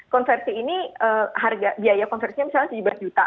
konversi ini harga biaya konversinya misalnya tujuh belas juta